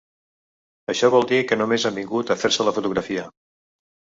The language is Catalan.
Això vol dir que només han vingut a fer-se la fotografia.